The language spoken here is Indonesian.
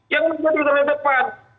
yang menjelajahi kerja depan